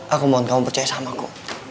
aku mohon kamu percaya sama aku